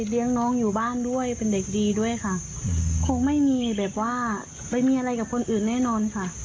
เลี้ยงน้องอยู่บ้านด้วยเป็นเด็กดีด้วยค่ะคงไม่มีแบบว่าไปมีอะไรกับคนอื่นแน่นอนค่ะ